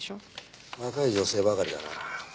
若い女性ばかりだな。